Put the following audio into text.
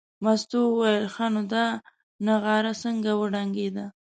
مستو وویل ښه نو دا نغاره څنګه وډنګېده.